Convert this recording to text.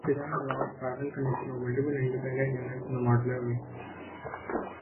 Its design allows parallel connection of multiple, independent units in a modular way.